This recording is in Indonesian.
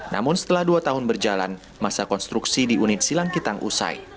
namun setelah dua tahun berjalan masa konstruksi di unit silangkitang usai